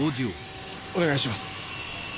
お願いします！